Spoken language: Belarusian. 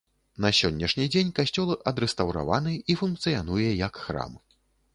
На сённяшні дзень касцёл адрэстаўраваны і функцыянуе як храм.